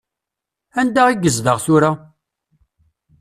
Anda i yezdeɣ tura?